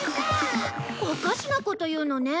おかしなこと言うのね。